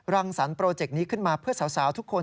รังสรรคโปรเจกต์นี้ขึ้นมาเพื่อสาวทุกคน